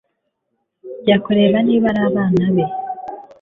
kujya kureba niba ari abana be